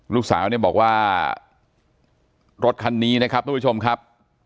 ลูกสาวเนี่ยบอกว่ารถคันนี้นะครับทุกผู้ชมครับ